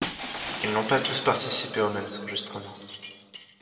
Ils n’ont pas tous participé aux mêmes enregistrements.